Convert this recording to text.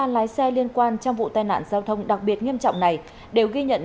ba lái xe liên quan trong vụ tai nạn giao thông đặc biệt nghiêm trọng này đều ghi nhận